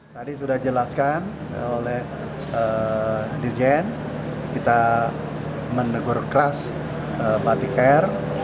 tadi sudah dijelaskan oleh dirjen kita menegur keras batik air